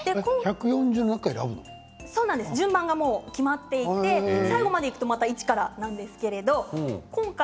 順番が決まっていて最後までいくと、また１からなんですが、今回